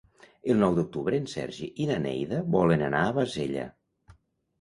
El nou d'octubre en Sergi i na Neida volen anar a Bassella.